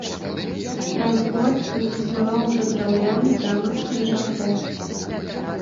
Праз год тут існаваў ужо драўляны замак крыжакоў.